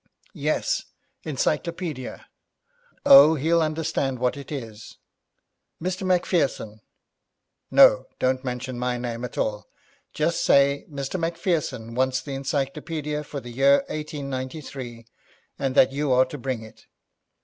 Yes, encyclopaedia. Oh, he'll understand what it is. Mr. Macpherson. No, don't mention my name at all. Just say Mr. Macpherson wants the encyclopaedia for the year 1893, and that you are to bring it.